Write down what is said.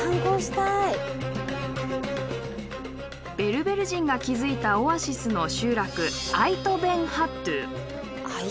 ベルベル人が築いたオアシスの集落アイト・ベン・ハッドゥ。